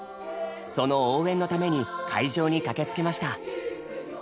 その応援のために会場に駆けつけました。